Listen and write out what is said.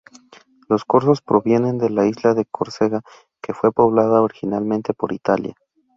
Los corsos provienen de la isla de Córcega que fue poblada originalmente por Italia.